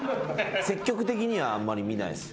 積極的にはあんまり見ないですね。